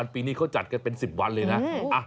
ปีนี้เขาจัดกันเป็น๑๐วันเลยนะ